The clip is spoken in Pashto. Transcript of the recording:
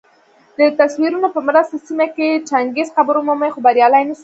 دتصویرونو په مرسته سیمه کي د چنګیز قبر ومومي خو بریالي نه سول